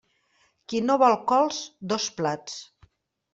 Qui no vol cols, dos plats.